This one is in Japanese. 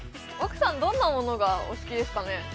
奥さんどんなものがお好きですかね？